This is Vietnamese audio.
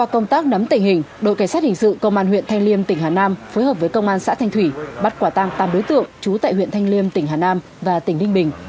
công tác nắm tình hình đội cảnh sát hình sự công an huyện thanh liêm tỉnh hà nam phối hợp với công an xã thanh thủy bắt quả tang tám đối tượng trú tại huyện thanh liêm tỉnh hà nam và tỉnh ninh bình